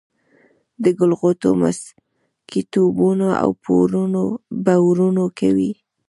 د ګل غوټو مسكيتوبونه به اورونه کوي